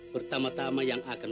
pertama tama yang akan